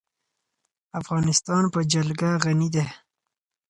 افغانستان په جلګه غني دی.